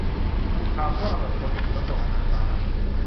ข่าวท่อระเบิดคนขี่รถส่งอาหารสาหัส